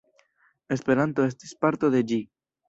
Esperanto estis parto de ĝi.